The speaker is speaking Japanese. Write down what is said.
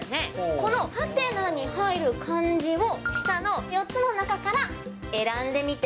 このハテナに入る漢字を下の４つの中から選んでみて。